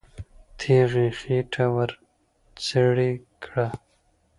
تیغ یې خېټه ورڅېړې کړه.